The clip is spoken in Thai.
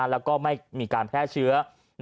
แล้วก็ไม่มีการแพร่เชื้อ